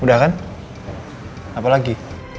udah kan apa lagi